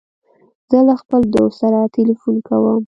زه له خپل دوست سره تلیفون کوم.